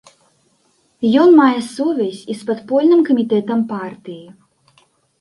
Ён мае сувязь і з падпольным камітэтам партыі.